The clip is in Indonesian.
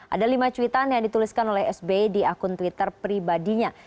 ada lima cuitan yang dituliskan oleh sbi di akun twitter pribadinya